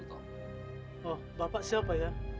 lindungilah dia ya allah